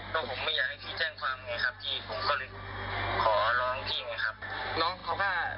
ขอร้องพี่ไหมครับ